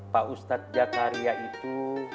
pak ustadz jakaria itu